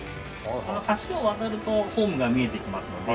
橋を渡るとホームが見えてきますので。